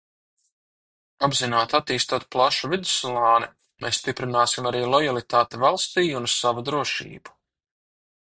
Apzināti attīstot plašu vidusslāni, mēs stiprināsim arī lojalitāti valstij un savu drošību.